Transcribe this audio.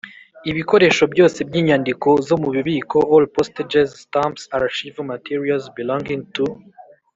Ibikoresho byose by inyandiko zo mu bubiko All postage stamps archival materials belonging to